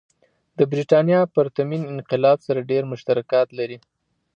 د برېټانیا پرتمین انقلاب سره ډېر مشترکات لري.